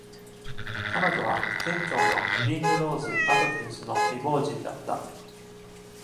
彼女は、船長のリングローズ・アトキンスの未亡人だった。